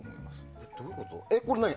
どういうこと？